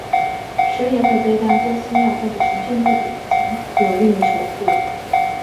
蛇也会被当做寺庙或者神圣地点的强有力的守护。